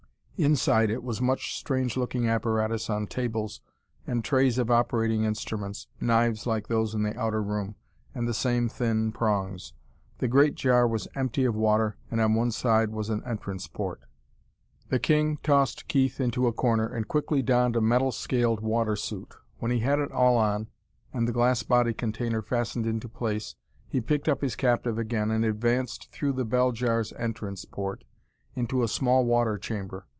Inside it was much strange looking apparatus on tables, and trays of operating instruments knives like those in the outer room, and the same thin prongs. The great jar was empty of water, and on one side was an entrance port. The king tossed Keith into a corner and quickly donned a metal scaled water suit. When he had it all on, and the glass body container fastened into place, he picked up his captive again and advanced through the bell jar's entrance port into a small water chamber.